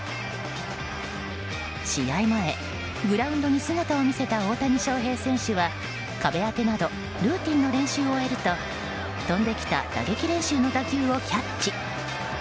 試合前に、グラウンドに姿を見せた大谷翔平選手は壁当てなどルーティンの練習を終えると飛んできた打撃練習の打球をキャッチ。